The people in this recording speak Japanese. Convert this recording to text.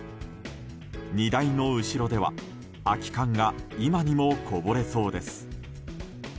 荷台の後ろでは空き缶が今にもこぼれそうです。